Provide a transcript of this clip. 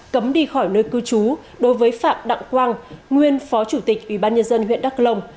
cấm đi khỏi nơi cư trú đối với phạm đặng quang nguyên phó chủ tịch ủy ban nhân dân huyện đắk lông